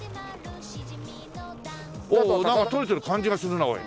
おおなんかとれてる感じがするなおい。